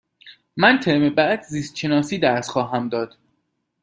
من ترم بعد زیست شناسی درس خواهم داد.